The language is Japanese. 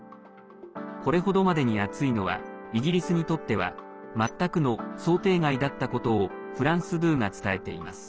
これほどまでに暑いのはイギリスにとっては全くの想定外だったことをフランス２が伝えています。